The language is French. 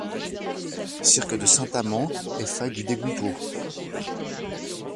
Cirque de Saint-Amand et faille du Dégoutaud.